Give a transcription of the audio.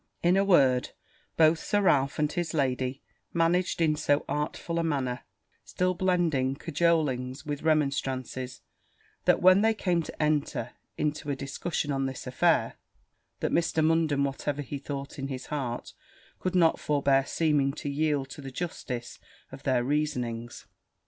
In a word, both Sir Ralph and his lady managed in so artful a manner, still blending cajolings with remonstrances, that, when they came to enter into a discussion on this affair, Mr. Munden, whatever he thought in his heart, could not forbear seeming to yield to the justice of their reasonings.